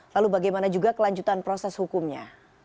lalu bagaimana juga kelanjutan proses hukumnya